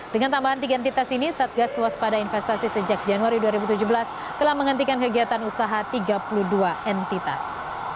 dengan tambahan tiga entitas ini satgas waspada investasi sejak januari dua ribu tujuh belas telah menghentikan kegiatan usaha tiga puluh dua entitas